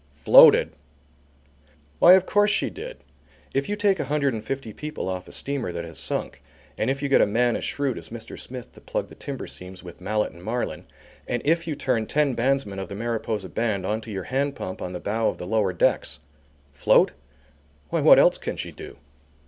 FLOATED? Why, of course she did. If you take a hundred and fifty people off a steamer that has sunk, and if you get a man as shrewd as Mr. Smith to plug the timber seams with mallet and marline, and if you turn ten bandsmen of the Mariposa band on to your hand pump on the bow of the lower decks float? why, what else can she do?